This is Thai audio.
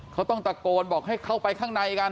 เขาต้องตะโกนบอกให้เข้าไปข้างในกัน